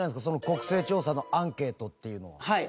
国勢調査のアンケートっていうのは。